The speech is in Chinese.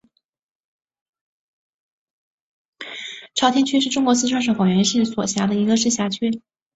朝天区是中国四川省广元市所辖的一个市辖区。